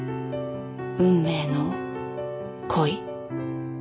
運命の恋。